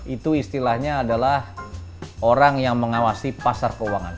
itu istilahnya adalah orang yang mengawasi pasar keuangan